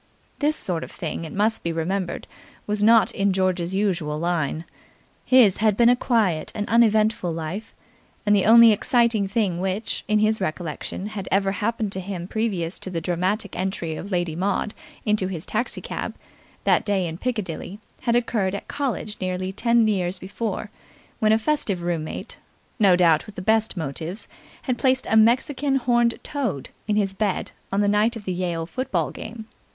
This sort of thing, it must be remembered, was not in George's usual line. His had been a quiet and uneventful life, and the only exciting thing which, in his recollection, had ever happened to him previous to the dramatic entry of Lady Maud into his taxi cab that day in Piccadilly, had occurred at college nearly ten years before, when a festive room mate no doubt with the best motives had placed a Mexican horned toad in his bed on the night of the Yale football game.